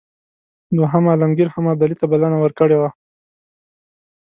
دوهم عالمګیر هم ابدالي ته بلنه ورکړې وه.